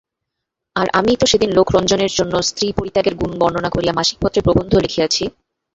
আর, আমিই তো সেদিন লোকরঞ্জনের জন্য স্ত্রীপরিত্যাগের গুণবর্ণনা করিয়া মাসিকপত্রে প্রবন্ধ লিখিয়াছি।